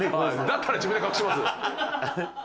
だったら自分で隠します。